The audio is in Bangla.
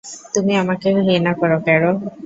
তুমি আমাকে ঘৃণা করো, ক্যারল।